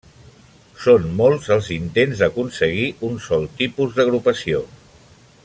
Són molts els intents d'aconseguir un sol tipus d'agrupació.